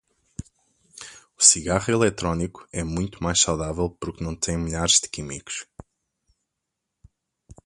O cigarro eletrônico é muito mais saudável porque não tem milhares de químicos